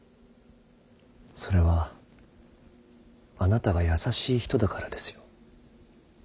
それはあなたが優しい人だからですよ。